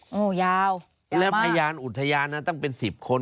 โอ้ยาวยาวมากแล้วพยานอุทยานต้องเป็น๑๐คน